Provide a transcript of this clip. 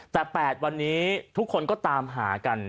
แต่๘วันนี้ทุกคนก็ตามหากัน